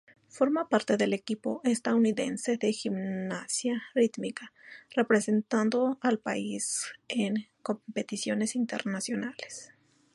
Forma parte del equipo estadounidense de gimnasia rítmica, representando al país en competiciones internacionales.